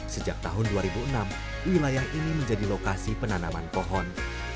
sejak tahun dua ribu enam wilayah ini menjadi lokasi penanaman pohon